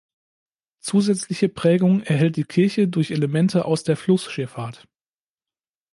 Zusätzliche Prägung erhält die Kirche durch Elemente aus der Flussschifffahrt.